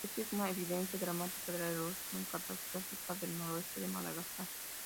Esto es una evidencia dramática de la erosión catastrófica del noroeste de Madagascar.